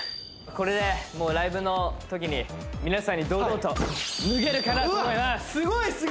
これでライブのときに皆さんに堂々と脱げるかなと思います！